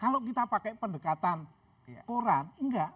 kalau kita pakai pendekatan koran enggak